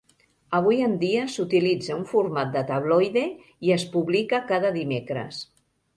Avui en dia s'utilitza un format de tabloide i es publica cada dimecres.